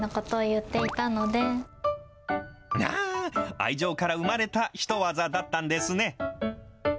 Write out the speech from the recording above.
愛情から生まれたヒトワザだったんですね。